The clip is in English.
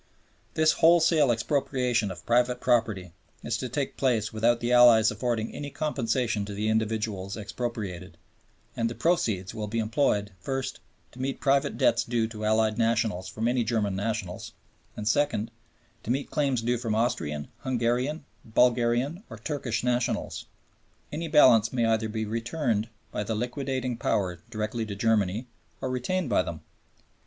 This wholesale expropriation of private property is to take place without the Allies affording any compensation to the individuals expropriated, and the proceeds will be employed, first, to meet private debts due to Allied nationals from any German nationals, and second, to meet claims due from Austrian, Hungarian, Bulgarian, or Turkish nationals. Any balance may either be returned by the liquidating Power direct to Germany, or retained by them.